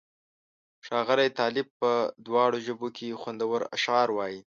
ښاغلی طالب په دواړو ژبو کې خوندور اشعار وایي.